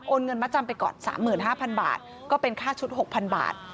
เงินมาจำไปก่อน๓๕๐๐บาทก็เป็นค่าชุด๖๐๐๐บาท